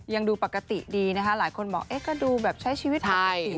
ยังดูปกติดีนะคะหลายคนบอกเอ๊ะก็ดูแบบใช้ชีวิตปกติ